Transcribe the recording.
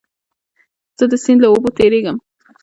زه د سیند له اوبو تېرېږم.